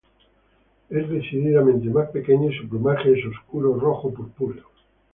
Es decididamente más pequeña y su plumaje es oscuro rojo purpúreo.